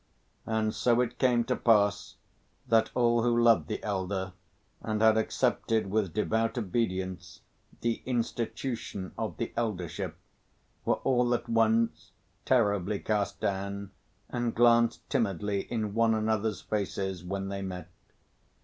And so it came to pass that all who loved the elder and had accepted with devout obedience the institution of the eldership were all at once terribly cast down and glanced timidly in one another's faces, when they met.